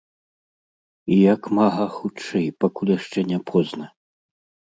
І як мага хутчэй, пакуль яшчэ не позна.